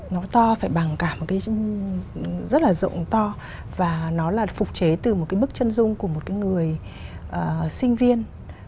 nó to phải bằng cả một cái rất là rộng to và nó là phục chế từ một cái bức chân dung của một cái người sinh viên